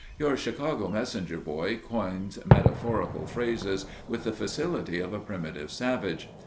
Your Chicago messenger boy coins metaphorical phrases with the facility of a primitive savage.